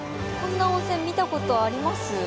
こんな温泉見たことあります？